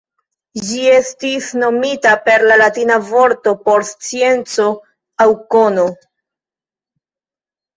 Ĝi estis nomita per la latina vorto por "scienco" aŭ "kono".